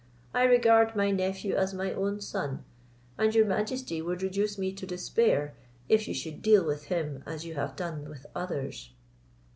I regard my nephew as my own son; and your majesty would reduce me to despair, if you should deal with him as you have done with others."